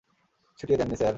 ছিটিয়ে দেয়নি, স্যার।